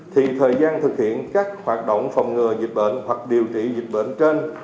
thì thời gian thực hiện các hoạt động phòng ngừa dịch bệnh hoặc điều trị dịch bệnh trên